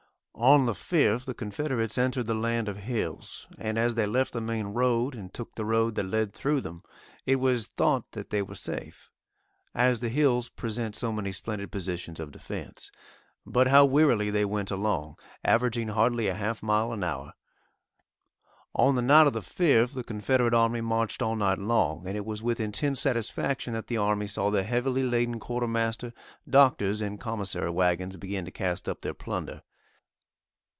On the 5th, the Confederates entered the land of hills, and as they left the main road, and took the road that led through them, it was thought that they were safe, as the hills present so many splendid positions of defence. But how wearily they went along, averaging hardly a half mile an hour. On the night of the 5th the Confederate army marched all night long, and it was with intense satisfaction that the army saw the heavily laden Quartermaster, Doctors' and Commissary wagons begin to cast up their plunder.